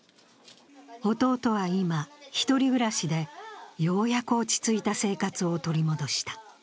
弟は今、１人暮らしで、ようやく落ち着いた生活を取り戻した。